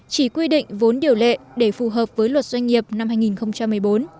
chỉ quy định vốn điều lệ để phù hợp với luật doanh nghiệp năm hai nghìn một mươi bốn